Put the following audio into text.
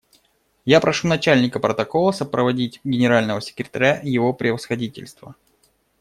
Я прошу Начальника протокола сопроводить Генерального секретаря Его Превосходительство.